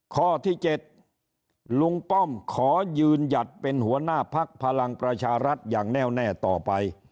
ข้อที่๗ลุงป้อมขอยืนหยัดเป็นหัวหน้าพักพลังประชารัฐอย่างแน่วแน่ต่อไป